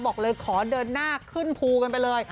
บอกเลยขอเดินหน้าขึ้นภูกันไปเลย